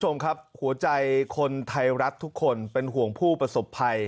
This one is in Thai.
คุณผู้ชมครับหัวใจคนไทยรัฐทุกคนเป็นห่วงผู้ประสบภัย